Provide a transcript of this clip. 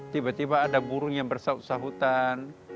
tiba tiba ada burung yang bersahutan